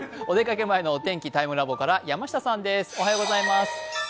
お出かけ前のお天気、ＴＩＭＥＬＡＢＯから山下さんです。